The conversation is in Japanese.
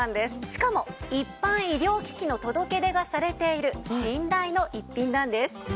しかも一般医療機器の届け出がされている信頼の逸品なんです。